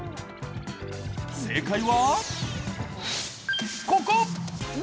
正解は、ここ！